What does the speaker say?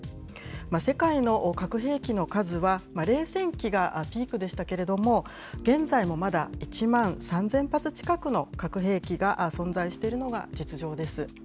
世界の核兵器の数は、冷戦期がピークでしたけれども、現在もまだ１万３０００発近くの核兵器が存在しているのが実情です。